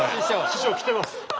師匠来てます。